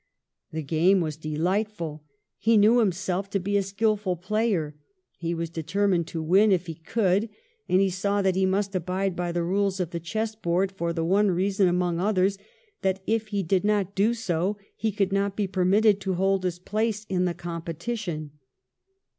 The game was delightful : he knew himself to be a skilful player, he was determined, to win if he could ; and he saw that he must abide by the rules of the chess board for the one reason among others that if he did not do so he could not be per mitted to hold his place in the competition.